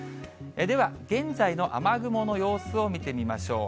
では現在の雨雲の様子を見てみましょう。